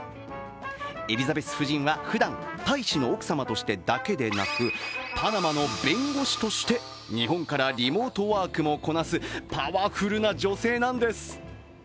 エリザベス夫人はふだん大使の奥様としてだけでなく、パナマの弁護士として日本からリモートワークもこなすパワフルな女性なんです。